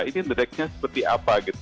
ini ngedreknya seperti apa gitu